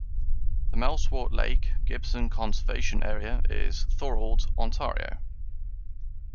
The Mel Swart Lake Gibson Conservation Area is in Thorold, Ontario.